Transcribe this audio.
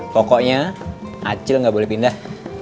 pokoknya acil nggak boleh pindah